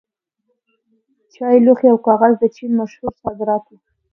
چای، لوښي او کاغذ د چین مشهور صادرات وو.